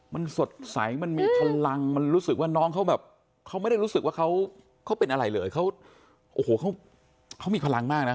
มันสดใสมันมีพลังมันรู้สึกว่าน้องเขาแบบเขาไม่ได้รู้สึกว่าเขาเป็นอะไรเลยเขาโอ้โหเขามีพลังมากนะ